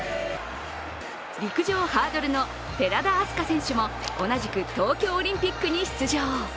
陸上、ハードルの寺田明日香選手も同じく東京オリンピックに出場。